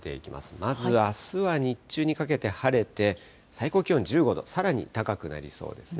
まずあすは日中にかけて晴れて、最高気温１５度、さらに高くなりそうですね。